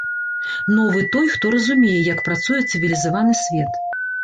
Новы той, хто разумее, як працуе цывілізаваны свет.